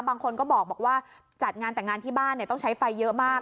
บางคนก็บอกว่าจัดงานแต่งงานที่บ้านต้องใช้ไฟเยอะมาก